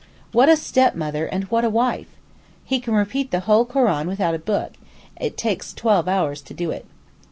What a stepmother and what a wife! He can repeat the whole Koran without a book, it takes twelve hours to do it.